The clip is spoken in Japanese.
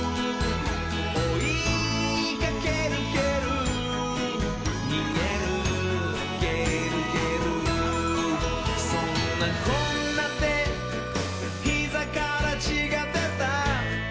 「おいかけるけるにげるげるげる」「そんなこんなでひざからちがでた」